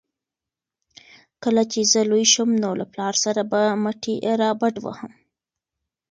کله چې زه لوی شم نو له پلار سره به مټې رابډوهم.